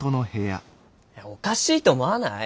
おかしいと思わない？